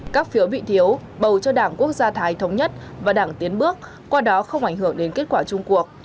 các phiếu bị thiếu bầu cho đảng quốc gia thái thống nhất và đảng tiến bước qua đó không ảnh hưởng đến kết quả chung cuộc